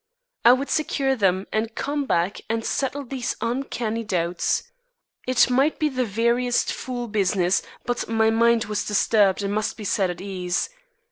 I would secure them and come back and settle these uncanny doubts. It might be the veriest fool business, but my mind was disturbed and must be set at ease.